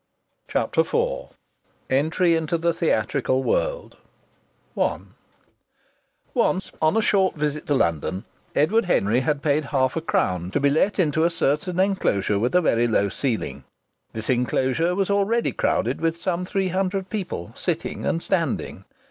CHAPTER IV ENTRY INTO THE THEATRICAL WORLD I Once, on a short visit to London, Edward Henry had paid half a crown to be let into a certain enclosure with a very low ceiling. This enclosure was already crowded with some three hundred people, sitting and standing.